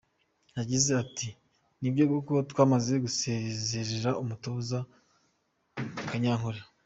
Yagize ati " Nibyo koko twamaze gusezerera umutoza Kanyankore.